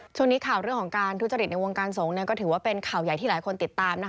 ช่วงนี้ข่าวเรื่องของการทุจริตในวงการสงฆ์ก็ถือว่าเป็นข่าวใหญ่ที่หลายคนติดตามนะคะ